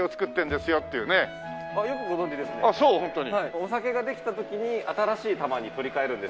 お酒ができた時に新しい玉に取り換えるんです。